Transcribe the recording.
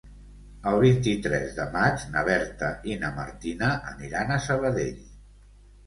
El vint-i-tres de maig na Berta i na Martina aniran a Sabadell.